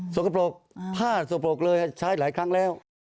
สกปรกผ้าสกปรกเลยใช้หลายครั้งแล้ว